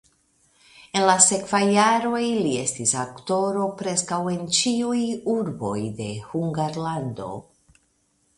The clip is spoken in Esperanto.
En la sekvaj jaroj li estis aktoro preskaŭ en ĉiuj urboj de Hungarlando.